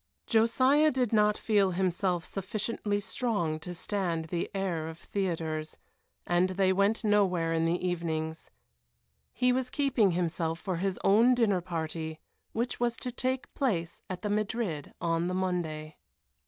Josiah did not feel himself sufficiently strong to stand the air of theatres, and they went nowhere in the evenings. He was keeping himself for his own dinner party, which was to take place at the Madrid on the Monday.